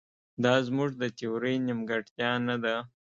دا زموږ د تیورۍ نیمګړتیا نه ده.